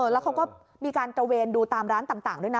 แล้วเขาก็มีการตระเวนดูตามร้านต่างด้วยนะ